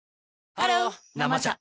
ハロー「生茶」